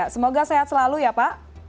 semoga sehat selalu ya pak